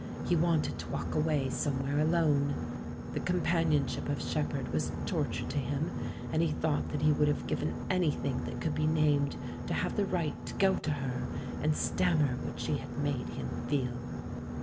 He wanted to walk away somewhere alone. The compan ionship of Shepherd was torture to liim, and he thought that he would have given anything that could be named to have the right to go to her and stammer what she had made him feel.